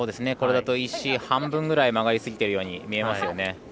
これだと石半分曲がりすぎてるように見えますね。